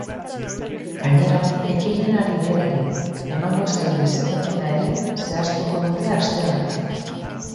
Gainera, ekimenari berari emango zaion izendapena ere zehaztuko dute aste honetan.